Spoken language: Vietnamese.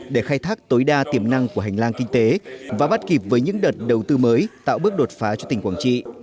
để khai thác tối đa tiềm năng của hành lang kinh tế và bắt kịp với những đợt đầu tư mới tạo bước đột phá cho tỉnh quảng trị